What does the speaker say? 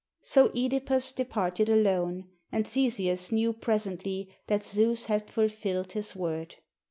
So (Edipus departed alone, and Theseus knew presently that Zeus had fulfilled his word.